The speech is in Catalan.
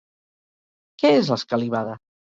Què és l'escalivada?